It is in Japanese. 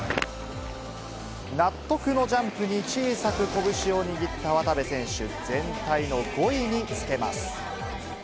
納得のジャンプに小さく拳を握った渡部選手、全体の５位につけます。